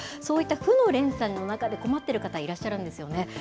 そういった負の連鎖の中で困っている方いらっしゃるんですよね。